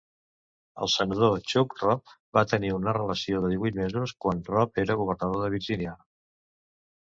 El senador Chuck Robb va tenir una relació de divuit mesos quan Robb era governador de Virgínia.